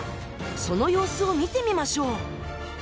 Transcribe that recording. その様子を見てみましょう。